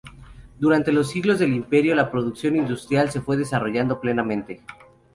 Durante los siglos del Imperio la producción industrial se fue desarrollando plenamente.